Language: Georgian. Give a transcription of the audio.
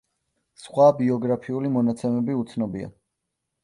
სხვა ბიოგრაფიული მონაცემები უცნობია.